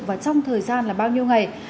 và trong thời gian là bao nhiêu ngày